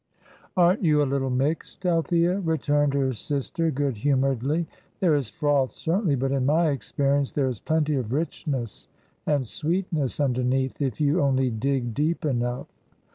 "Aren't you a little mixed, Althea?" returned her sister, good humouredly. "There is froth certainly, but in my experience there is plenty of richness and sweetness underneath, if you only dig deep enough."